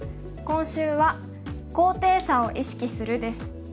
今週は「高低差を意識する」です。